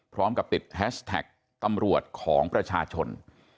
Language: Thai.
พร้อมกับติดแฮชแท็กตำรวจของประชาชน